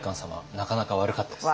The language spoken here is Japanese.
なかなか悪かったですね。